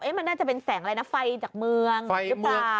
มันน่าจะเป็นแสงอะไรนะไฟจากเมืองหรือเปล่า